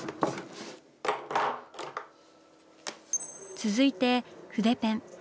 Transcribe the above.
続いて筆ペン。